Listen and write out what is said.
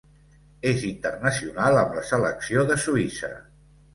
És internacional amb la selecció de Suïssa.